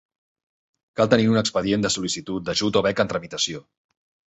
Cal tenir un expedient de sol·licitud d'ajut o beca en tramitació.